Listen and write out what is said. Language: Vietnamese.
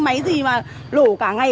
máy gì mà lổ cả ngày